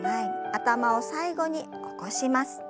頭を最後に起こします。